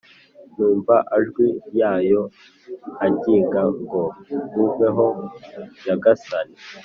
Numva ajwi yayo anginga ngo nkuveho nyagasani